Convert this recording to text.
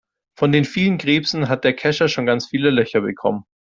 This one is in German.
Von den vielen Krebsen hat der Kescher schon ganz viele Löcher bekommen.